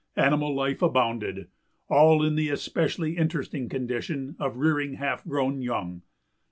Animal life abounded, all in the especially interesting condition of rearing half grown young.